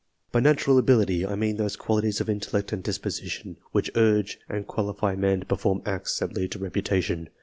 By natural ability, I mean those qualities of intellect and disposition, which urge and qualify a man to perform acts that lead to reputation.